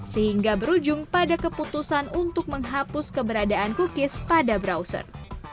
sehingga berujung pada keputusan untuk menghapus keberadaan cookies pada browser